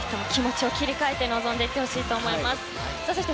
気持ちを切り替えて臨んでいってほしいと思います。